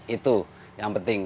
itu yang penting